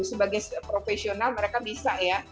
sebagai profesional mereka bisa ya